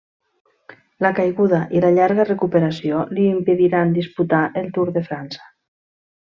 La caiguda i la llarga recuperació li impediran disputar el Tour de França.